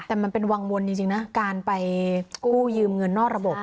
แต่มันเป็นวังวลจริงนะการไปกู้ยืมเงินนอกระบบ